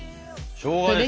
しょうが？